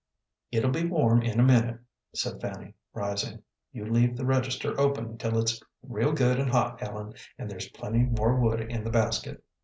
"It'll be warm in a minute," said Fanny, rising. "You leave the register open till it's real good and hot, Ellen, and there's plenty more wood in the basket.